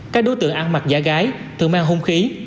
các đối tượng ăn mặc giả gái thường mang hung khí